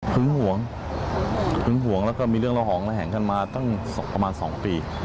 หึงห่วงหึงห่วงแล้วก็มีเรื่องละหองและแห่งขึ้นมาตั้งประมาณสองปี